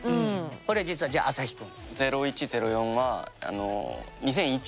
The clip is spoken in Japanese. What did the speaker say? これ実はじゃあアサヒ君。